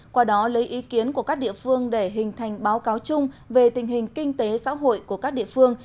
qua đó lấy ý kiến của các địa phương để hình thành báo cáo chung về tình hình kinh tế xã hội của các địa phương